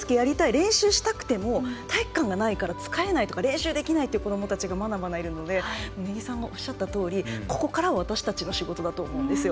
練習したくても体育館がないから使えないとか練習できないっていう子どもたちがまだまだいるので根木さんのおっしゃったとおりここからは私たちの仕事だと思うんですよ。